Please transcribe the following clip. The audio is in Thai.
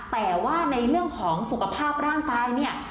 แต่ว่าในเรื่องของสุขภาพร่างกายเนี่ย